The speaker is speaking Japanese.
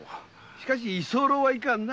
しかし居候はいかんな。